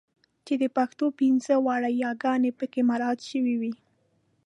چې د پښتو پنځه واړه یګانې پکې مراعات شوې وي.